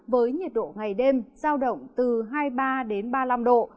với nhiệt độ ngày đêm giao động từ hai mươi ba đến ba mươi năm độ